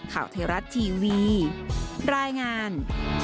ข่าวเทราะท์ทีวีรายงาน